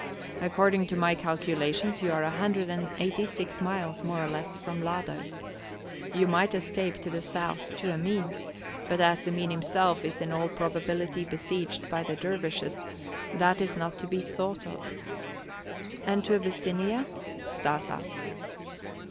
According to my calculations you are a hundred and eighty six miles, more or less, from Lado. You might escape to the south to Emin, but as Emin himself is in all probability besieged by the dervishes, that is not to be thought of." "And to Abyssinia?" Stas asked.